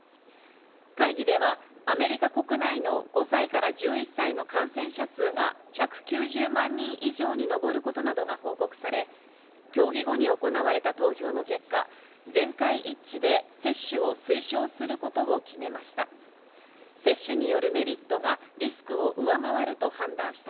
会議ではアメリカ国内の５歳から１１歳の感染者数が１９０万人以上にのぼることなどが報告され、協議後に行われた投票の結果、全会一致で接種を推奨することを決めました。